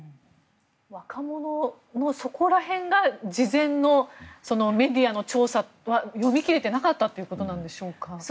若者のそこら辺が事前のメディアの調査は読み切れていなかったということなんでしょうか。